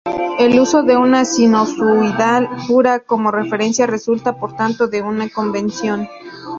El uso de una sinusoidal pura como referencia resulta, por tanto, de una convención.